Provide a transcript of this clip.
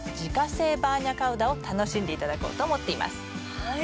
はい。